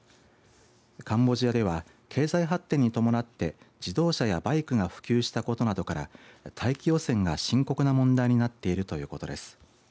カンボジアでは経済発展に伴って自動車やバイクが普及したことなどから大気汚染が深刻な問題になっているということです。